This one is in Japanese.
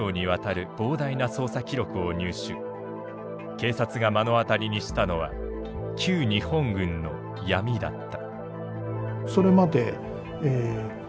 警察が目の当たりにしたのは旧日本軍の闇だった。